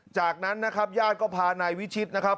จากนั้นนะครับญาติก็พานายวิชิตนะครับ